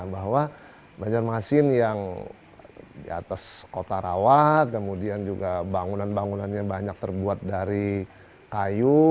bahwa banjarmasin yang di atas kota rawat kemudian juga bangunan bangunannya banyak terbuat dari kayu